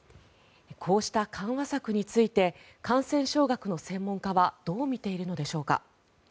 こうした緩和策について感染症学の専門家はどう見ているのでしょうか。